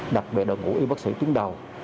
đặc biệt đội ngũ y bác sĩ tuyến đầu